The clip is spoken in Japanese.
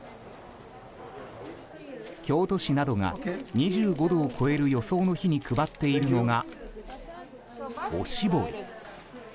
京都市などが２５度を超える予想の日に配っているのが、おしぼり。